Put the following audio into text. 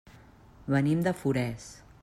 Venim de Forès.